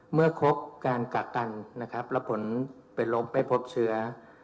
เมื่อครบการกักกันนะครับแล้วผลเป็นลบไม่พบเชื้อ